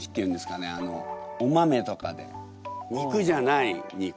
あのお豆とかで肉じゃない肉。